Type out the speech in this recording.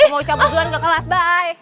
mau cabut cabut ke kelas bye